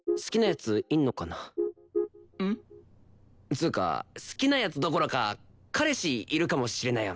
つうか好きな奴どころか彼氏いるかもしれないよな。